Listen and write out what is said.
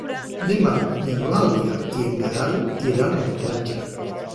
Demà n'Eulàlia i en Gaël iran a la platja.